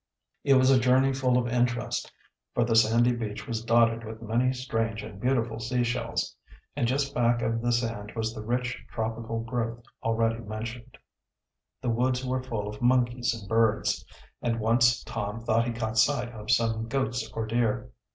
It was a journey full of interest, for the sandy beach was dotted with many strange and beautiful seashells, and just back of the sand was the rich tropical growth already mentioned. The woods were full of monkeys and birds, and once Tom thought he caught sight of some goats or deer.